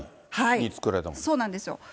そうなんですよ。